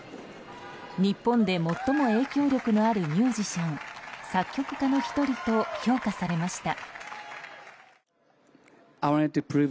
日本で最も影響力のあるミュージシャン、作曲家の１人と評価されました。